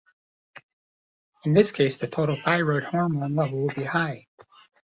In this case, the total thyroid hormone level will be high.